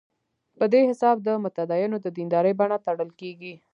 په دې حساب د متدینو د دیندارۍ بڼه تړل کېږي.